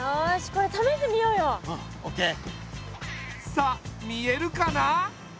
さあ見えるかな？